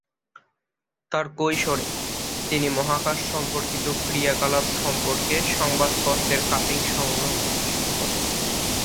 তার কৈশোরে, তিনি মহাকাশ সম্পর্কিত ক্রিয়াকলাপ সম্পর্কে সংবাদপত্রের কাটিং সংগ্রহ করতে শুরু করেন।